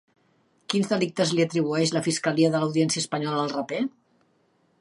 Quins delictes li atribueix la fiscalia de l'Audiència espanyola al raper?